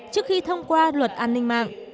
trước khi thông qua luật an ninh mạng